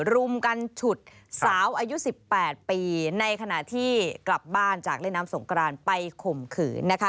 รุมกันฉุดสาวอายุ๑๘ปีในขณะที่กลับบ้านจากเล่นน้ำสงกรานไปข่มขืนนะคะ